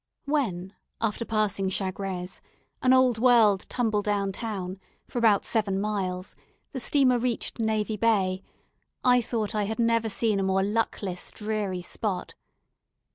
When, after passing Chagres, an old world, tumble down town, for about seven miles, the steamer reached Navy Bay, I thought I had never seen a more luckless, dreary spot.